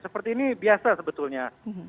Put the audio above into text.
seperti ini biasa sebetulnya